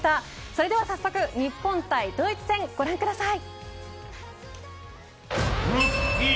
それでは早速、日本対ドイツ戦ご覧ください。